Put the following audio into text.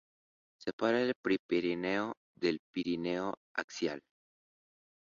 Separa el Prepirineo del Pirineo axial.